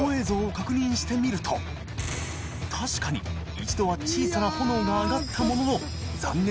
一度は小さな炎が上がったものの椎